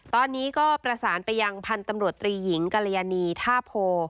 ตอนนี้ก็ประสานไปยังพันธุ์ตำรวจตรีหญิงกรยานีท่าโพ